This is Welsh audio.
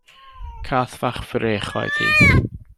Cath fach frech oedd hi.